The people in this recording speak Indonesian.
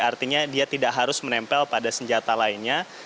artinya dia tidak harus menempel pada senjata lainnya